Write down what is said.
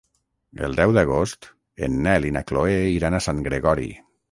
El deu d'agost en Nel i na Chloé iran a Sant Gregori.